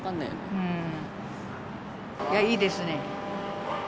いや、いいですね。